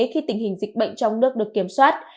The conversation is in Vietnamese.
khi tình hình dịch bệnh trong nước được kiểm soát